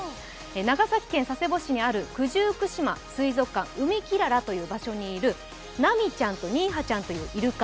長崎県佐世保市にある九十九島水族館、海きららという場所にいるナミちゃんとニーハちゃんといういるか。